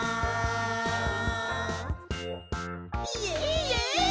イエイ！